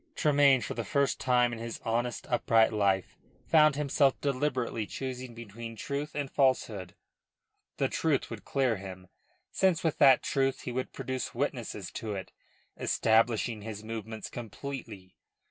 Tremayne for the first time in his honest, upright life found himself deliberately choosing between truth and falsehood. The truth would clear him since with that truth he would produce witnesses to it, establishing his movements completely.